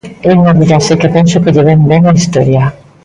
É unha viraxe que penso que lle vén ben á historia.